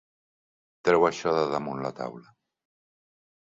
Treu això de damunt la taula.